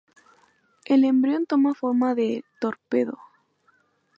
El embrión toma forma de "torpedo".